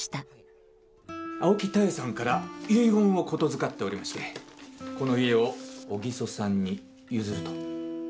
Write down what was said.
青木たえさんから遺言を言づかっておりましてこの家を小木曽さんに譲ると。